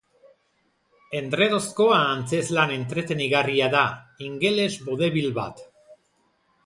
Endredozko antzezlan entretenigarria da, ingeles vaudeville bat.